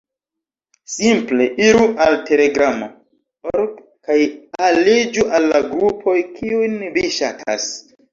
Simple iru al telegramo.org kaj aliĝu al la grupoj, kiujn vi ŝatas.